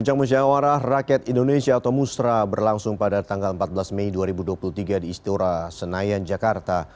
ajang musyawarah rakyat indonesia atau musra berlangsung pada tanggal empat belas mei dua ribu dua puluh tiga di istora senayan jakarta